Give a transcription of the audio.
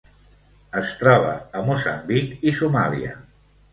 Es troba a Moçambic i Somàlia.